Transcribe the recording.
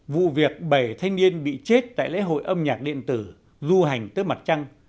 vụ việc bảy thanh niên bị chết tại lễ hội âm nhạc điện tử du hành tới mặt trăng